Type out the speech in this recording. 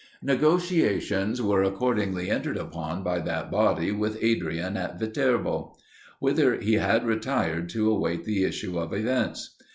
Negotiations were accordingly entered upon by that body with Adrian at Viterbo; whither he had retired to wait the issue of events.